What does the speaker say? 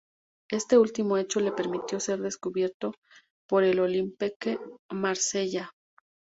Este último hecho le permitió ser descubierto por el Olympique de Marsella.